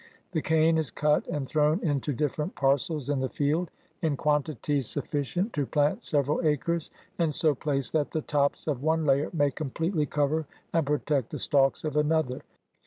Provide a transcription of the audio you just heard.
The cane is cut and thrown into different parcels in the field, in quantities sufficient to plant several acres, and so placed that the tops of one layer may completely cover and protect the stalks of another.